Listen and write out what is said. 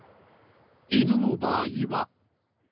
犬の場合は。